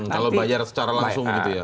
kalau bayar secara langsung gitu ya